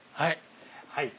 はい。